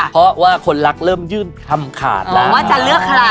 เพราะว่าคนรักเริ่มยื่นคำขาดแล้วว่าจะเลือกใคร